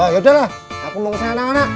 ya udahlah aku mau kesana anak